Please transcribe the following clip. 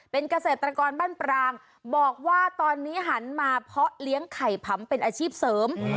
เป็นเกษตรกรบ้านปรางบอกว่าตอนนี้หันมาเพาะเลี้ยงไข่ผำเป็นอาชีพเสริม